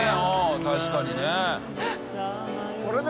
確かにね。